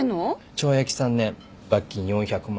懲役３年罰金４００万。